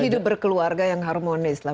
jadi hidup berkeluarga yang harmonis lah